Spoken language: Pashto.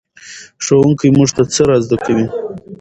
ښوونکی موږ ته څه را زده کوي؟